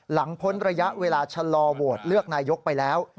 พ้นระยะเวลาชะลอโหวตเลือกนายกไปแล้ว